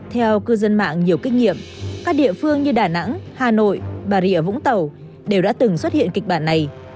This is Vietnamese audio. theo cư dân mạng nhiều kinh nghiệm các địa phương như đà nẵng hà nội bà rịa vũng tàu đều đã từng xuất hiện kịch bản này